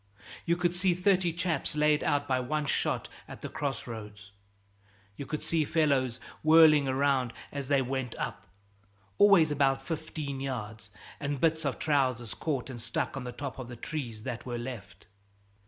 You could see thirty chaps laid out by one shot at the cross roads; you could see fellows whirling around as they went up, always about fifteen yards, and bits of trousers caught and stuck on the tops of the trees that were left.